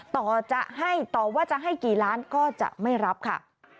ต่อว่าจะให้กี่ล้านก็จะไม่รับค่ะ